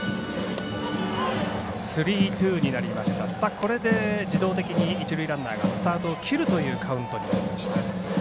これで自動的に一塁ランナーがスタートを切るというカウントになりました。